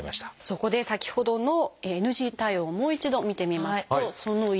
そこで先ほどのＮＧ対応をもう一度見てみますとその１です。